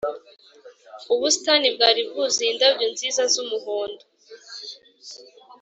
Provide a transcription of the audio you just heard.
ubusitani bwari bwuzuye indabyo nziza z'umuhondo.